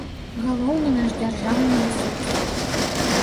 Галоўны наш дзяржаўны рэсурс.